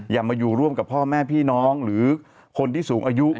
อย่ามาอยู่ร่วมกับพ่อแม่พี่น้องหรือคนที่สูงอายุ